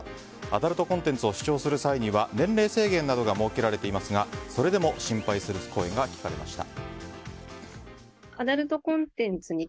アダルトコンテンツを視聴する際には年齢制限などが設けられていますがそれでも心配する声が聞かれました。